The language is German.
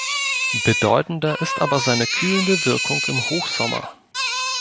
Bedeutender ist aber seine kühlende Wirkung im Hochsommer.